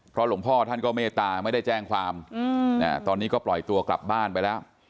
หลวงพ่อท่านก็เมตตาไม่ได้แจ้งความตอนนี้ก็ปล่อยตัวกลับบ้านไปแล้ว